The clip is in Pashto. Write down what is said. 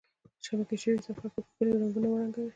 شبکه شوي صفحه په ښکلي رنګونو ورنګوئ.